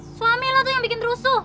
suami lo tuh yang bikin rusuh